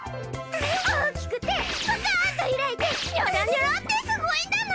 大きくてパカッと開いてニョロニョロってすごいんだな。